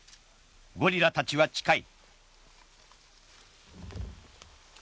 ゴリラたちは近い。